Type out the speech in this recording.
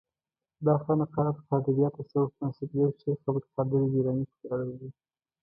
دا خانقاه د قادریه تصوف بنسټګر شیخ عبدالقادر جیلاني پورې اړه لري.